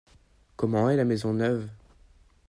Comment est la maison neuve ?